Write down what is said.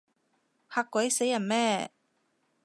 嚇鬼死人咩？